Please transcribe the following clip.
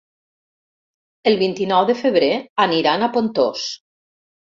El vint-i-nou de febrer aniran a Pontós.